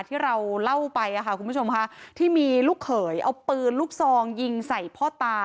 ที่เราเล่าไปค่ะคุณผู้ชมค่ะที่มีลูกเขยเอาปืนลูกซองยิงใส่พ่อตา